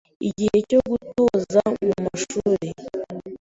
Igihe cyo gutoza mu mashuri